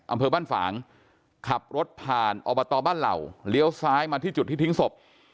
อำเภอบ้านฝางขับรถผ่านอบตบ้านเหล่าเลี้ยวซ้ายมาที่จุดที่ทิ้งศพ